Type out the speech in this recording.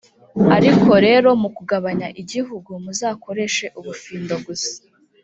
ariko rero mu kugabanya igihugu, muzakoreshe ubufindo gusa.